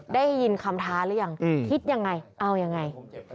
ได้ยินคำท้าหรือยังคิดยังไงเอายังไง